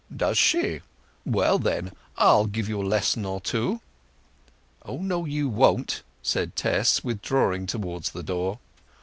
"Does she? Well then—I'll give you a lesson or two." "Oh no, you won't!" said Tess, withdrawing towards the door.